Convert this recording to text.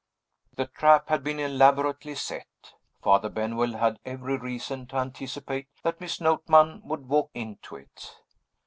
The trap had been elaborately set; Father Benwell had every reason to anticipate that Miss Notman would walk into it.